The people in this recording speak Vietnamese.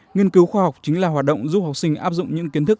nghiên cứu khoa học chính là hoạt động giúp học sinh áp dụng những kiến thức